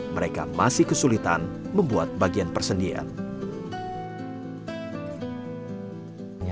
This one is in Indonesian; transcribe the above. mereka masih kesulitan membuat bagian persendian